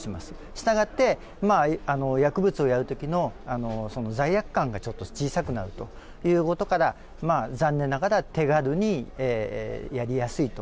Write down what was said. したがって、薬物をやるときのその罪悪感がちょっと小さくなるということから、残念ながら、手軽にやりやすいと。